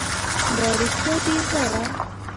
دا رښتيا دي پلاره!